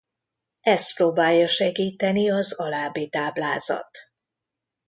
Ezt próbálja segíteni az alábbi táblázat.